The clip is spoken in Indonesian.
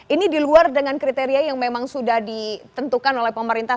ini di luar dengan kriteria yang memang sudah ditentukan oleh pemerintah